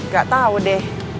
gak tau deh